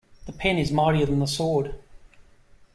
The pen is mightier than the sword.